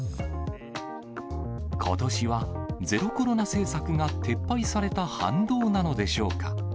ことしはゼロコロナ政策が撤廃された反動なのでしょうか。